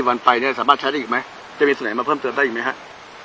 เหมือนนี้สาบาทใช้ได้อีกไมจะมีเสนอมาเพิ่มเติมได้อีกมั้ยครับ